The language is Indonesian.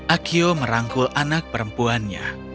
akio merangkul anak perempuannya